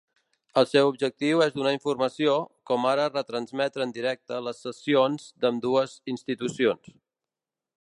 El seu objectiu és donar informació, com ara retransmetre en directe les sessions, d'ambdues institucions.